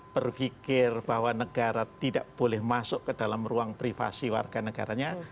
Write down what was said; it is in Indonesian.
berpikir bahwa negara tidak boleh masuk ke dalam ruang privasi warga negaranya